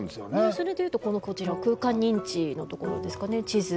それで言うとこのこちら空間認知のところですかね地図。